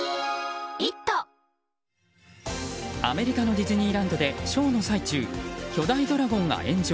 アメリカのディズニーランドでショーの最中巨大ドラゴンが炎上。